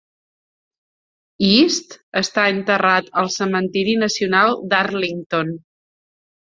East està enterrat al cementeri nacional d'Arlington.